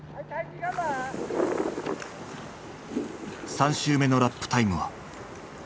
３周目のラップタイムは。